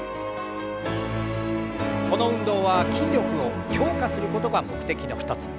この運動は筋力を強化することが目的の一つ。